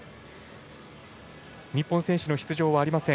日本選手の出場はありません。